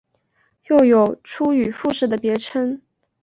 又有出羽富士的别称。